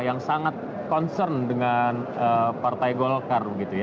yang sangat concern dengan partai golkar